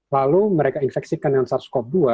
lalu mereka infeksikan dengan sars cov dua